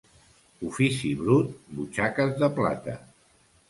Ofici brut, butxaques de plata.